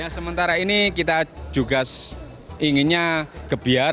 sementara ini kita juga inginnya kebiar